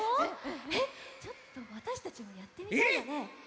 えっちょっとわたしたちもやってみたいよね。